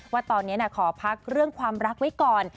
ว่าตอนนี้ขอพักเรื่องความรักไว้ก่อน